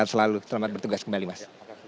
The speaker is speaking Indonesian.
selamat bertugas kembali mas